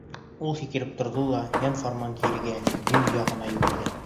Ул һикереп торҙо ла йән-фарман кирегә, Дим яғына йүгерҙе.